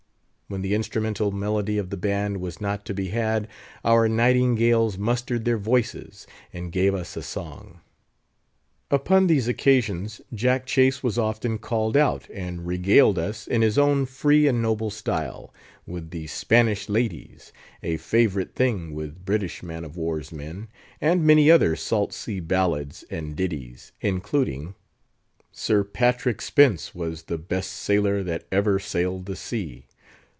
When the instrumental melody of the band was not to be had, our nightingales mustered their voices, and gave us a song. Upon these occasions Jack Chase was often called out, and regaled us, in his own free and noble style, with the "Spanish Ladies"—a favourite thing with British man of war's men—and many other salt sea ballads and ditties, including, "Sir Patrick Spens was the best sailor That ever sailed the sea."